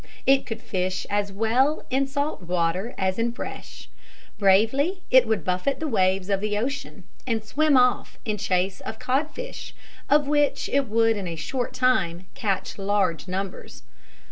It could fish as well in salt water as in fresh. Bravely it would buffet the waves of the ocean, and swim off in chase of cod fish, of which it would in a short time catch large numbers.